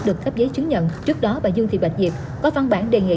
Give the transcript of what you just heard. được cấp giấy chứng nhận trước đó bà dương thị bạch diệp có văn bản đề nghị